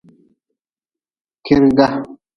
Kiirga.